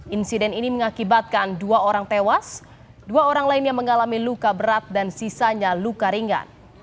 insiden ini mengakibatkan dua orang tewas dua orang lainnya mengalami luka berat dan sisanya luka ringan